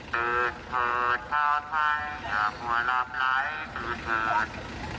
ตื่นเถิดชาวไทยอย่ากลัวหลับไหลตื่นเถิด